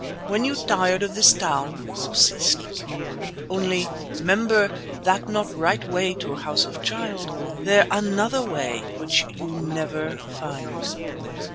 When you tired of this town, go see snake. Only, 'member that not right way to House of Child. There another way which you never find."